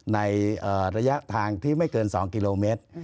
ในระยะทางที่ไม่เกิน๒กิโลเมตร